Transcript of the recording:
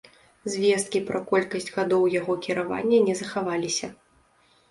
Звесткі пра колькасць гадоў яго кіравання не захаваліся.